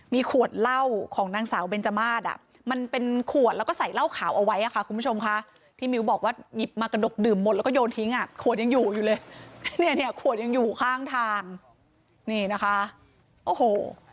มีขวดเหล้าของนางสาวเบนจมาสอ่ะมันเป็นขวดแล้วก็ใส่เหล้าขาวเอาไว้อ่ะค่ะคุณผู้ชมค่ะที่มิ้วบอกว่าหยิบมากระดกดื่มหมดแล้วก็โยนทิ้งอ่ะขวดยังอยู่อยู่เลยเนี่ยขวดยังอยู่ข้างทางนี่นะคะโอ้โห